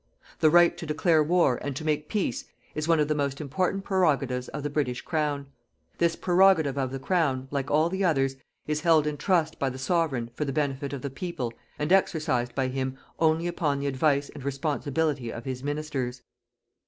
The right to declare war and to make peace is one of the most important prerogatives of the British Crown. This prerogative of the Crown, like all the others, is held in trust by the Sovereign for the benefit of the people and exercised by Him ONLY UPON THE ADVICE AND RESPONSIBILITY OF HIS MINISTERS.